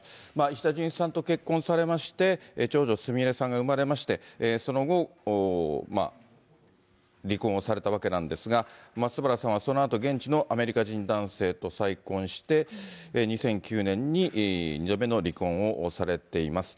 石田純一さんと結婚されまして、長女、すみれさんが生まれまして、その後、離婚をされたわけなんですが、松原さんはそのあと、現地のアメリカ人男性と再婚して、２００９年に２度目の離婚をされています。